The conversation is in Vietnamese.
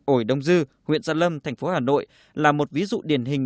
ổi đông dư huyện gia lâm thành phố hà nội là một ví dụ điển hình